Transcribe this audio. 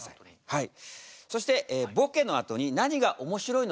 はい。